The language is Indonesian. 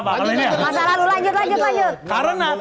masa lalu lanjut lanjut